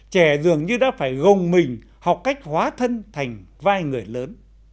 trẻ dường như đã phải gồng mình học cách hóa thân thành vai người lớn